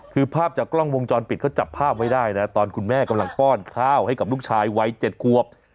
คือภาพจากกล้องวงจรปิดเขาจับภาพไว้ได้นะตอนคุณแม่กำลังป้อนข้าวให้กับลูกชายวัย๗ควบ